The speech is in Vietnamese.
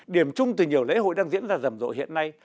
điểm chung từ nhiều lễ hội đang diễn ra rầm rộ hiện nay